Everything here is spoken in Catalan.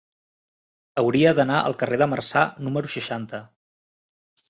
Hauria d'anar al carrer de Marçà número seixanta.